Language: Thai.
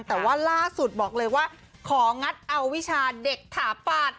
แต่ว่าล่าสุดบอกเลยว่าของงัดเอาวิชาเด็กถาปาด